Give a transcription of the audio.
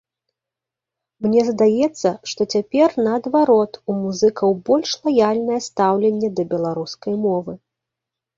Мне здаецца, што цяпер наадварот у музыкаў больш лаяльнае стаўленне да беларускай мовы.